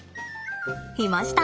いました。